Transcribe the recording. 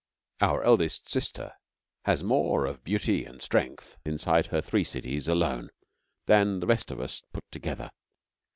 Our Eldest Sister has more of beauty and strength inside her three cities alone than the rest of Us put together.